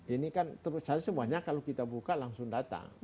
ini kan semuanya kalau kita buka langsung datang